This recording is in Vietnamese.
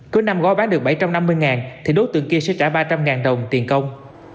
cứ năm gói bán được bảy trăm năm mươi thì đối tượng kia sẽ trả ba trăm linh đồng tiền công